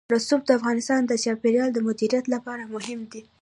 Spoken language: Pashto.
رسوب د افغانستان د چاپیریال د مدیریت لپاره مهم دي.